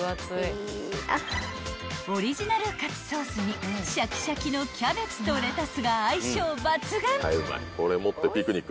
［オリジナルかつソースにシャキシャキのキャベツとレタスが相性抜群］